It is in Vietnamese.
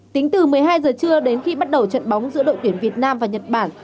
tính từ một mươi hai giờ trưa đến khi bắt đầu trận bóng giữa đội tuyển việt nam và nhật bản